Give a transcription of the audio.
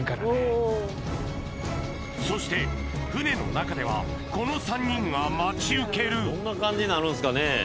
そして船の中ではこの３人が待ち受けるどんな感じなるんですかね。